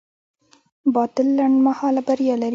باطل لنډمهاله بریا لري.